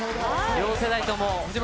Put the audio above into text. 両世代とも。